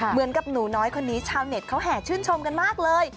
เหมือนกับหนูน้อยคนนี้ชาวเน็ตเขาแห่ชื่นชมกันมากเลย